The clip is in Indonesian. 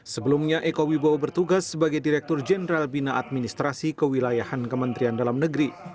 sebelumnya eko wibowo bertugas sebagai direktur jenderal bina administrasi kewilayahan kementerian dalam negeri